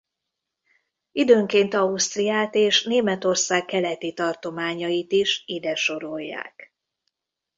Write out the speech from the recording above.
Időnként Ausztriát és Németország keleti tartományait is ide sorolják.